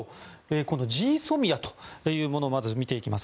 このＧＳＯＭＩＡというものをまず見ていきます。